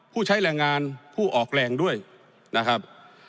ผู้ใช้แรงงานผู้ออกแรงด้วยนะครับ